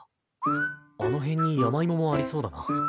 あの辺に山芋もありそうだな。